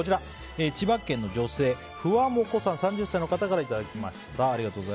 千葉県の女性３０歳の方からいただきました。